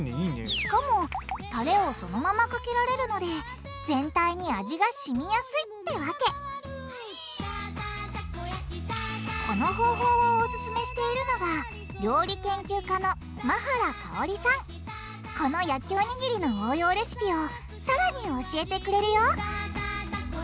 しかもタレをそのままかけられるので全体に味がしみやすいってわけこの方法をオススメしているのがこの焼きおにぎりの応用レシピをさらに教えてくれるよ